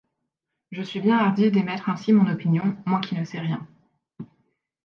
Je suis bien hardie d'émettre ainsi mon opinion, moi qui ne sais rien.